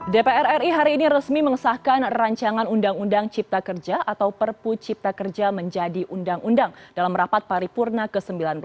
dpr ri hari ini resmi mengesahkan rancangan undang undang cipta kerja atau perpu cipta kerja menjadi undang undang dalam rapat paripurna ke sembilan belas